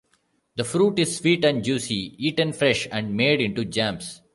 The fruit is sweet and juicy, eaten fresh and made into jams.